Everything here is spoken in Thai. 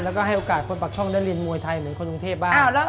แล้วก็ให้โอกาสคนปากช่องได้เรียนมวยไทยเหมือนคนกรุงเทพบ้าง